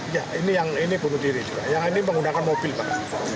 ya ini yang ini bunuh diri juga yang ini menggunakan mobil pak